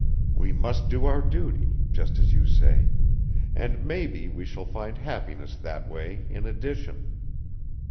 We must do our duty, just as you say, and maybe we shall find happiness that way in addition."